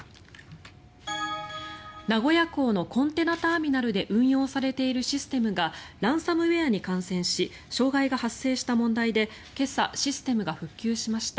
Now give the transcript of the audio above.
名古屋港のコンテナターミナルで運用されているシステムがランサムウェアに感染し障害が発生した問題で今朝、システムが復旧しました。